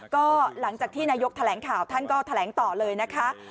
ก็หลังจากที่นายกแถลงข่าวท่านก็แถลงต่อเลยนะคะ